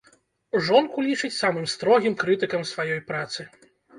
Жонку лічыць самым строгім крытыкам сваёй працы.